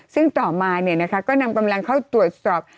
ซึ่งต่อมาเนี่ยนะคะก็นำกำลังเข้าตรวจสอบ